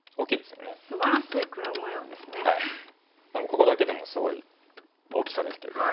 ここだけでもすごい大きさですけども。